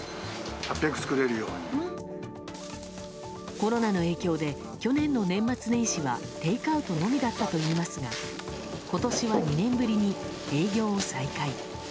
コロナの影響で去年の年末年始はテイクアウトのみだったといいますが今年は２年ぶりに営業を再開。